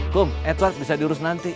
kum edward bisa diurus nanti